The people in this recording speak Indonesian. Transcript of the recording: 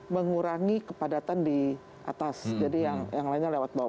mengurangi kepadatan di atas jadi yang lainnya lewat bawah